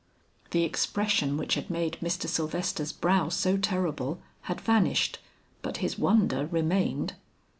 The expression which had made Mr. Sylvester's brow so terrible had vanished, but his wonder remained.